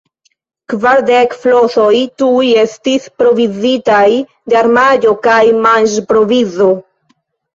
Kvardek flosoj tuj estis provizitaj de armaĵo kaj manĝprovizo.